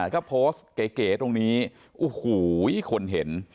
ก็โพสต์เก๋ตรงนี้โอ้โหคนเห็น